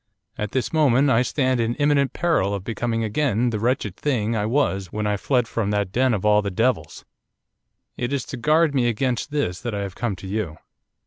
At this moment I stand in imminent peril of becoming again the wretched thing I was when I fled from that den of all the devils. It is to guard me against this that I have come to you.